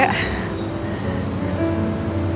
tapi buat temen temen aku juga